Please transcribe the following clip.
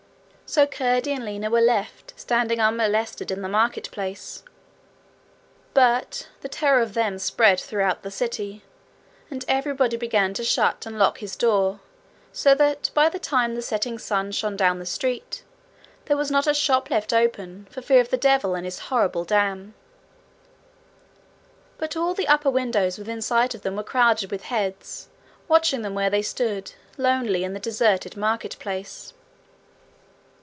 So Curdie and Lina were left standing unmolested in the market place. But the terror of them spread throughout the city, and everybody began to shut and lock his door so that by the time the setting sun shone down the street, there was not a shop left open, for fear of the devil and his horrible dam. But all the upper windows within sight of them were crowded with heads watching them where they stood lonely in the deserted market place.